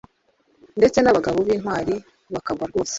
ndetse n’abagabo b’intwari bakagwa rwose.